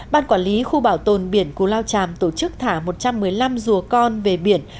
ban quản lý khu bảo tồn biển cù lao tràm tổ chức thả một trăm một mươi năm rùa con về biển